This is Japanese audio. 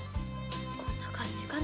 こんな感じかな。